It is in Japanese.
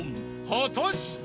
［果たして？］